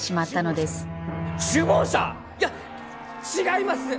いや違います！